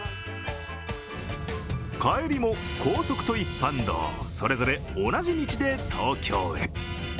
帰りも高速と一般道、それぞれ同じ道で東京へ。